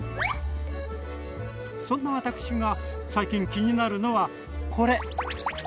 そんな私が最近気になるのはこれ。